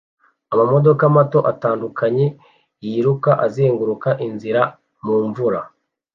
amamodoka mato atandukanye yiruka azenguruka inzira mumvura